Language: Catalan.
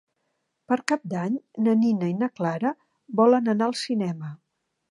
Per Cap d'Any na Nina i na Clara volen anar al cinema.